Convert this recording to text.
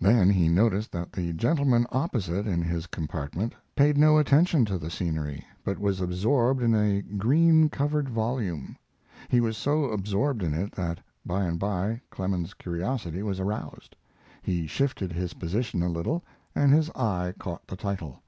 Then he noticed that the gentleman opposite in his compartment paid no attention to the scenery, but was absorbed in a green covered volume. He was so absorbed in it that, by and by, Clemens's curiosity was aroused. He shifted his position a little and his eye caught the title.